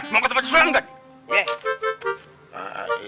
mau ke tempat istrinya gak